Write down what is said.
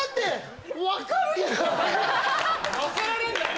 乗せられんなよ・